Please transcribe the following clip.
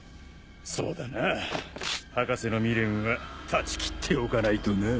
そうだな博士の未練は断ち切っておかないとな。